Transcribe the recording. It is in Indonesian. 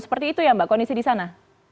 seperti itu ya mbak kondisi di sana